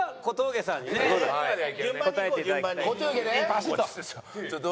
バシッと！